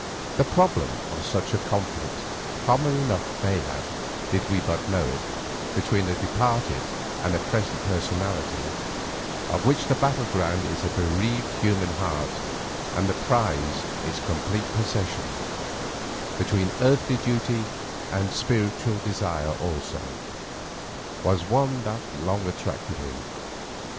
The problem of such a conflict, common enough mayhap did we but know it, between a departed and a present personality, of which the battle ground is a bereaved human heart and the prize its complete possession; between earthly duty and spiritual desire also; was one that had long attracted him.